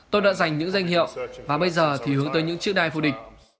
tôi đã giành những danh hiệu và bây giờ thì hướng tới những chiếc đai phù địch